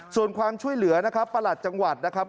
ส่วนความช่วยเหลือปรรรจังหวัดนะครับ